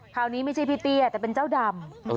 คราวนี้ไม่ใช่พรีพีอ่ะแต่เป็นเจ้าดำ